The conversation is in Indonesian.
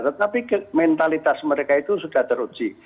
tetapi mentalitas mereka itu sudah teruji